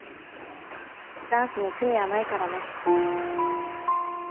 ダンスに罪はないからね。